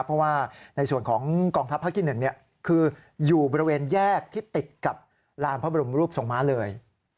เพราะว่าในส่วนของกองทัพภาคที่๑คืออยู่บริเวณแยกที่ติดกับลานพระบรมรูปทรงม้าเลย